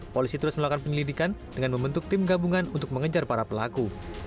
polisi terus melakukan penyelidikan dengan membentuk tim gabungan untuk mengejar para pelaku